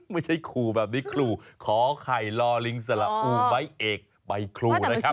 ไม่ใช่ขู่แบบนี้ครูขอไข่ลอลิงสลับอู่ใบเอกใบครูนะครับ